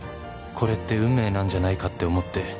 「これって運命なんじゃないかって思って」